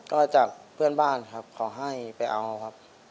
ก็จากเพื่อนบ้านครับเขาให้ไปเอาครับ